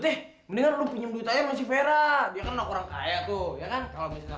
deh mendingan lu pinjam duit aja masih vera dia kan orang kaya tuh ya kan kalau misalnya